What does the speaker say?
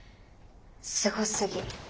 すごすぎ。